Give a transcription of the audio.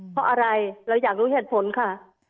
เพราะอะไรเราอยากรู้เหตุผลค่ะ